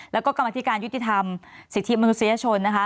แล้วก็กรรมธิการยุติธรรมสิทธิมนุษยชนนะคะ